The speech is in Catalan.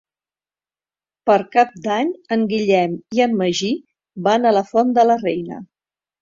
Per Cap d'Any en Guillem i en Magí van a la Font de la Reina.